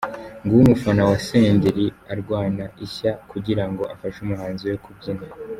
Nguwo umufana wa Senderi arwana ishya kugira ngo afashe umuhanzi we kubyina.